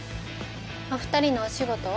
お二人のお仕事は？